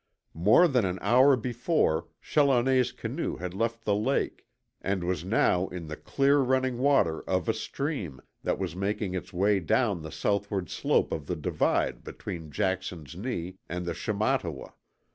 More than an hour before Challoner's canoe had left the lake, and was now in the clear running water of a stream that was making its way down the southward slope of the divide between Jackson's Knee and the Shamattawa.